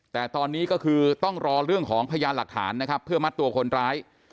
แต่ตอนนี้ก็คือต้องรอเรื่องของพยานหลักฐานนะครับเพื่อมัดตัวคนร้าย